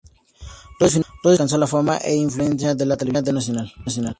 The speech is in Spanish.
Rhodes finalmente alcanza la fama e influencia de la televisión nacional.